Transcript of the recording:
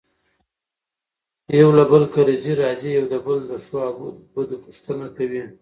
يو له بل کره ځي راځي يو د بل دښو او دو پوښنته کوي.